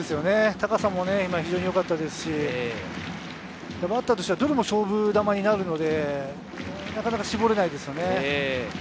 高さも非常によかったですし、バッターとしてはどれも勝負球になるので、なかなか絞れないですよね。